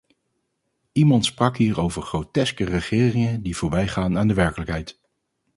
Iemand sprak hier over groteske regeringen die voorbij gaan aan de werkelijkheid.